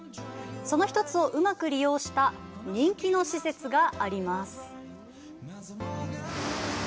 その一つをうまく利用した人気の施設があります。